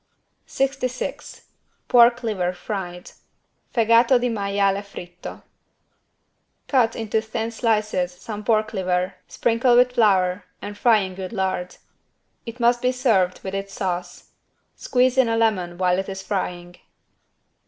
66 PORK LIVER FRIED (Fegato di maiale fritto) Cut in to thin slices some pork liver, sprinkle with flour and fry in good lard. It must be served with its sauce. Squeeze in a lemon while it is frying.